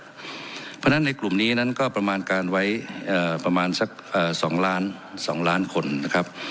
เพราะฉะนั้นในกลุ่มนี้นั้นก็ประมาณการไว้ประมาณสัก๒ล้านคนนะครับ